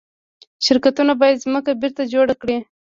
شرکتونه باید ځمکه بیرته جوړه کړي.